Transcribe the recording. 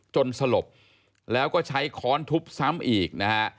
สลบแล้วก็ใช้ค้อนทุบซ้ำอีกนะฮะ